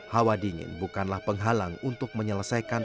hawa dingin bukanlah penghalang untuk menyelesaikan